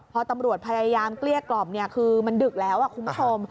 พอตำรวจพยายามเกลี้ยกล่อมคือมันดึกแล้วคุณผู้ชม